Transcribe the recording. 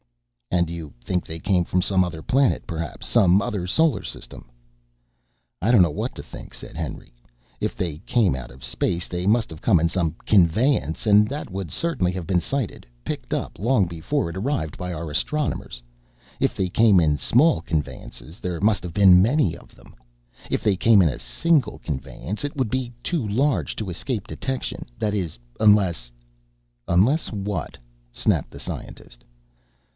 "And you think they came from some other planet, perhaps some other solar system?" "I don't know what to think," said Henry. "If they came out of space they must have come in some conveyance, and that would certainly have been sighted, picked up long before it arrived, by our astronomers. If they came in small conveyances, there must have been many of them. If they came in a single conveyance, it would be too large to escape detection. That is, unless " "Unless what?" snapped the scientist.